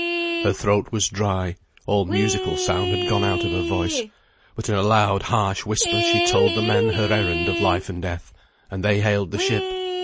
Her throat was dry; all musical sound had gone out of her voice; but in a loud harsh whisper she told the men her errand of life and death, and they hailed the ship.